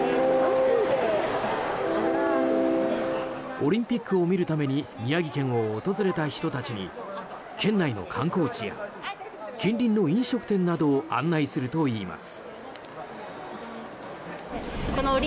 オリンピックを見るために宮城県を訪れた人たちに県内の観光地や近隣の飲食店などを案内するといいます。